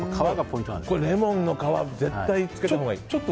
これ、レモンの皮絶対つけたほうがいい。